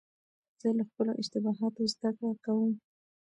زه له خپلو اشتباهاتو زدهکړه کوم.